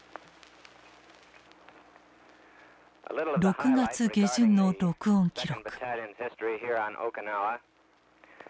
６月下旬の録音記録。